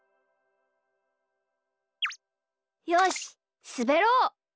よしすべろう！